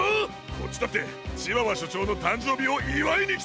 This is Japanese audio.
こっちだってチワワしょちょうのたんじょうびをいわいにきたのに！